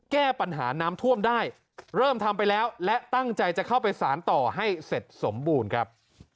แก้ปัญหาน้ำท่วมได้เริ่มทำไปแล้วและตั้งใจจะเข้าไปสารต่อให้เสร็จสมบูรณ์ครับ